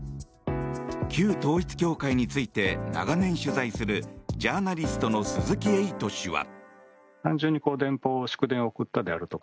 旧統一教会について長年取材するジャーナリストの鈴木エイト氏は。